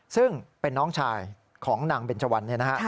ซึ่งเป็นน้องชายของนางเบนเจาันนะครับ